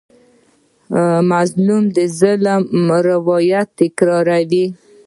مظلوم د ظالم روایت تکراروي.